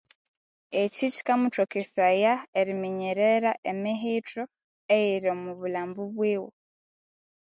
Ekyi kyikamuthokesaya eriminyerera emihitho eyiri omwa bulhambo bwiwe.